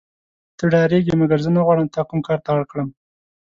ته ډارېږې مګر زه نه غواړم تا کوم کار ته اړ کړم.